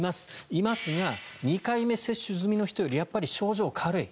いますが２回目接種済みの人よりやっぱり症状が軽い。